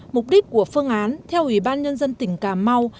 mục đích của phương án theo ủy ban nhân dân tỉnh cà mau